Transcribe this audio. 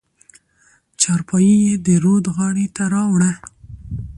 چارپايي يې د رود غاړې ته راوړه.